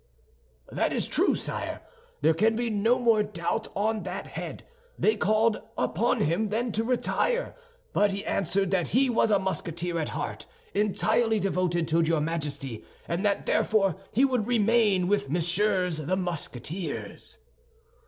"That is true, sire; there can be no more doubt on that head. They called upon him then to retire; but he answered that he was a Musketeer at heart, entirely devoted to your Majesty, and that therefore he would remain with Messieurs the Musketeers."